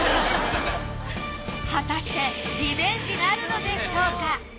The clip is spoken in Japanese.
果たしてリベンジなるのでしょうか！？